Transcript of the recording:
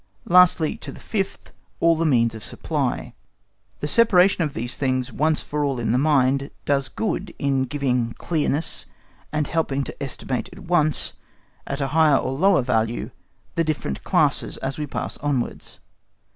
lastly, to the fifth, all the means of supply. The separation of these things once for all in the mind does good in giving clearness and helping us to estimate at once, at a higher or lower value, the different classes as we pass onwards.